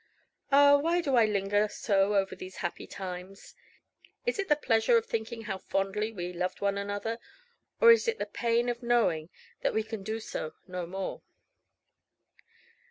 Ah, why do I linger so over these happy times is it the pleasure of thinking how fondly we loved one another, or is it the pain of knowing that we can do so no more?